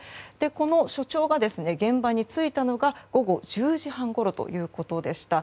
この署長が、現場に着いたのが午後１０時半ごろということでした。